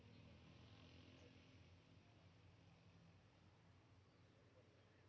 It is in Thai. โปรดติดตามตอนต่อไป